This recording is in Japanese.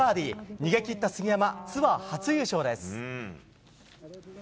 逃げ切った杉山ツアー初優勝です。